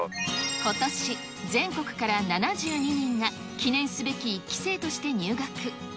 ことし、全国から７２人が記念すべき１期生として入学。